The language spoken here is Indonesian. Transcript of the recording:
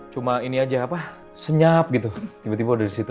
cuma ini aja apa senyap gitu tiba tiba dari situ